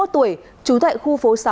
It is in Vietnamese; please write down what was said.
bốn mươi một tuổi trú thại khu phố sáu